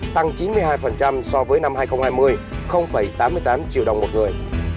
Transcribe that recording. tăng chín mươi hai so với năm hai nghìn hai mươi tám mươi tám triệu đồng một người